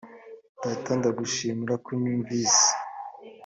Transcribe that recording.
data ndagushimira ko unyumvise .